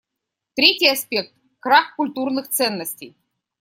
Третий аспект — крах культурных ценностей.